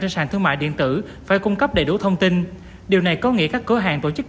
trên sàn thương mại điện tử phải cung cấp đầy đủ thông tin điều này có nghĩa các cửa hàng tổ chức